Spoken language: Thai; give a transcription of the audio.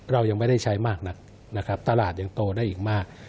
เรายังไม่ได้ใช้มากตลาดยังโตได้อีกมาก